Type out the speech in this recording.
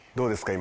今。